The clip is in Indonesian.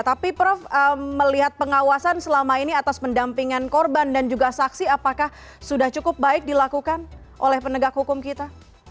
tapi prof melihat pengawasan selama ini atas pendampingan korban dan juga saksi apakah sudah cukup baik dilakukan oleh penegak hukum kita